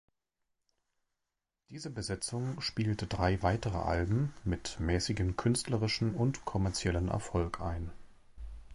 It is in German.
Diese Besetzung spielte drei weitere Alben mit mäßigem künstlerischen und kommerziellen Erfolg ein.